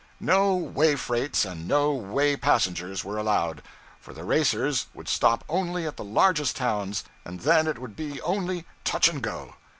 No way freights and no way passengers were allowed, for the racers would stop only at the largest towns, and then it would be only 'touch and go.'